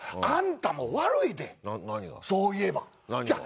あんたも悪いでそういえば。